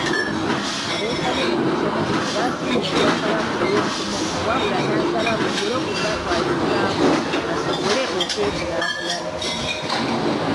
Abeetabye mu musomo guno basiimye Obwakabaka olw'omusomo guno wabula nasaba bongere okubakwatizaako basobole okwekulaakulanya.